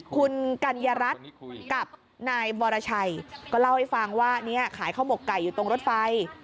คุณกัญญารัฐกับนายวรชัยก็เล่าให้ฟังว่าเนี่ยขายข้าวหมกไก่อยู่ตรงรถไฟ